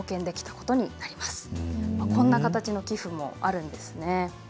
こんな形もあるんですね。